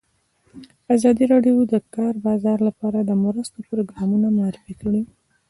ازادي راډیو د د کار بازار لپاره د مرستو پروګرامونه معرفي کړي.